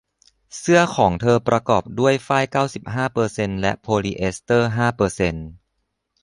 เสื้อของเธอประกอบด้วยฝ้ายเก้าสิบห้าเปอร์เซ็นต์และโพลีเอสเตอร์ห้าเปอร์เซ็นต์